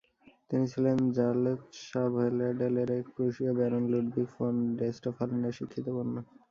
তিনি ছিলেন জালৎসভেডেল'এর এক প্রুশীয় ব্যারন লুডভিগ ফন ভেস্টফালেন'এর শিক্ষিত কন্যা।